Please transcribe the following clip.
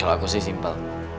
kalau aku sih simpel